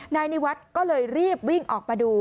นายนิวัฒน์ก็เลยรีบวิ่งออกมาดู